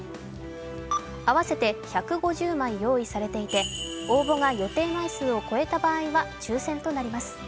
合わせて１５０枚用意されていて応募が予定枚数を超えた場合は抽選となります。